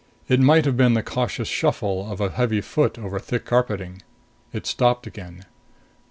It might have been the cautious shuffle of a heavy foot over thick carpeting. It stopped again.